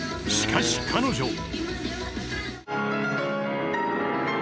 ［しかし彼女］